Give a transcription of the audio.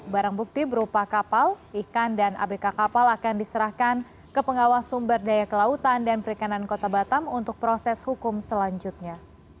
barang bukti berupa kapal ikan dan abk kapal akan diserahkan ke pengawas sumber daya kelautan dan perikanan kota batam untuk proses hukum selanjutnya